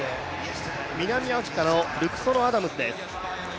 南アフリカのルクソロ・アダムスです。